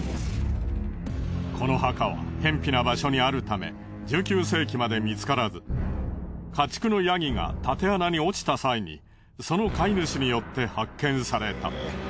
この墓はへんぴな場所にあるため１９世紀まで見つからず家畜の山羊がたて穴に落ちた際にその飼い主によって発見された。